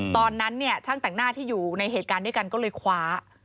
ตอนนั้นเนี่ยช่างแต่งหน้าที่อยู่ในเหตุการณ์ด้วยกันก็เลยคว้า